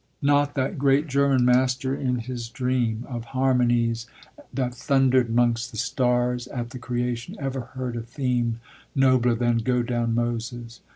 Not that great German master in his dream Of harmonies that thundered 'mongst the stars At the creation, ever heard a theme Nobler than "Go down, Moses."